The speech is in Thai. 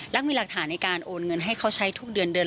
มีหลักฐานในการโอนเงินให้เขาใช้ทุกเดือนเดือน